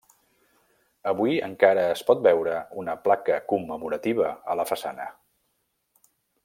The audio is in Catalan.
Avui encara es pot veure una placa commemorativa a la façana.